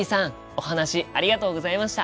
お話ありがとうございました！